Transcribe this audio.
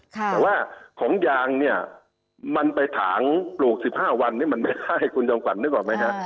แต่ว่าของยางเนี่ยมันไปถางปลูก๑๕วันนี้มันไม่ได้คุณจำขวัญนึกออกไหมฮะ